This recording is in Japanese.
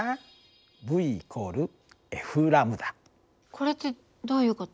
これってどういう事？